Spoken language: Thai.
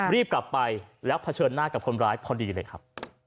รีบกลับไปแล้วเผชิญหน้ากับคนร้ายพอดีเลยครับ